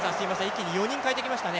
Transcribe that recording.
一気に４人代えてきましたね。